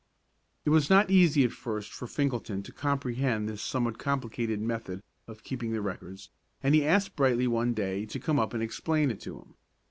It was not easy at first for Finkelton to comprehend this somewhat complicated method of keeping the records, and he asked Brightly one day to come up and explain it to him.